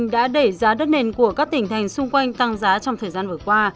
đã đẩy giá đất nền của các tỉnh thành xung quanh tăng giá trong thời gian vừa qua